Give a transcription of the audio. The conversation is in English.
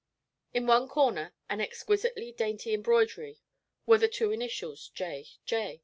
In one corner, in exquisitely dainty embroidery, were the two initials 'J. J.